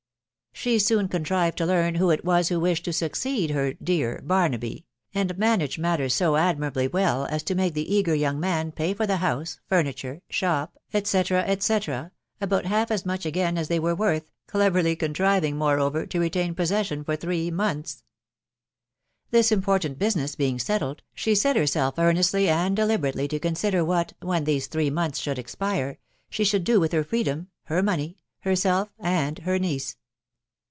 She soon contrived to learn who it was who wished to suc ceed her " dear Barnaby/' and managed matters so admirably well as to make the eager young man pay for the house, fur niture, shop, &c. &c, about half as much again as they were worth, cleverly contriving, moreover, to retain possession for three months. This important business being settled, she set herself earnestly and deliberately to consider what, when these three months should be expired, she should do with her freedom, her money, herself, and her niece.